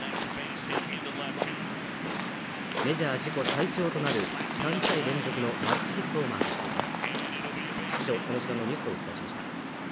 メジャー自己最長となる３試合連続のマルチヒットをマークしています。